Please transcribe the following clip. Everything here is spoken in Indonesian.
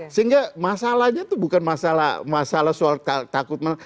sehingga masalahnya tuh bukan masalah masalah soal takut